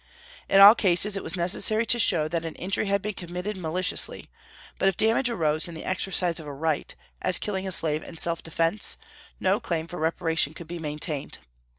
In all cases it was necessary to show that an injury had been committed maliciously; but if damage arose in the exercise of a right, as killing a slave in self defence, no claim for reparation could be maintained.